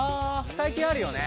最近あるよね。